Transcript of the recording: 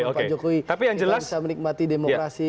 jangan pak jokowi kita bisa menikmati demokrasi